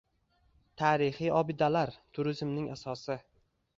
Tarixiy obidalar – turizmning asosi